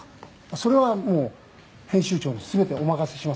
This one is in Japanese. それはもう編集長に全てお任せします